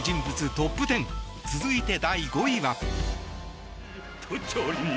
トップ１０続いて第５位は。